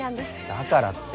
だからって。